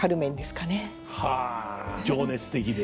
あ情熱的で。